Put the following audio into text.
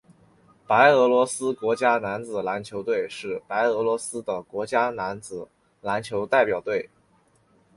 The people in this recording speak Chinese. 白俄罗斯国家男子篮球队是白俄罗斯的国家男子篮球代表队。